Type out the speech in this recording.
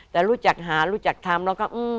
แต่รู้จักหารู้จักทำแล้วก็